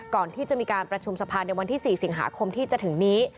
ก่อนที่จะมีการประชุมสภาในวันที่๔สิงหาคมที่จะถึงนี้